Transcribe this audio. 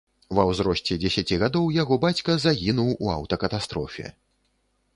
Ва ўзросце дзесяці гадоў яго бацька загінуў у аўтакатастрофе.